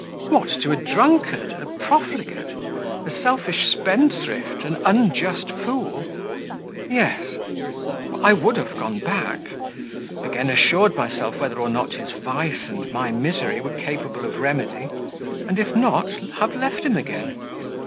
"What, to a drunkard, a profligate, a selfish spendthrift, an unjust fool?" "Yes." "I would have gone back; again assured myself whether or not his vice and my misery were capable of remedy; and if not, have left him again."